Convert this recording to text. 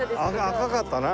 赤かったな。